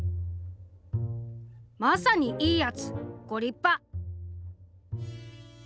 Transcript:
「まさに『いいやつ』ご立派！」。